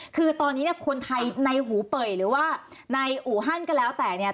คือตอนนี้เนี่ยคนไทยในหูเป่ยหรือว่าในอู่ฮั่นก็แล้วแต่เนี่ย